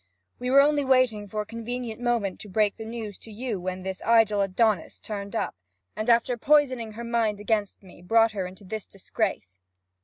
We were only waiting for a convenient moment to break the news to you when this idle Adonis turned up, and after poisoning her mind against me, brought her into this disgrace.'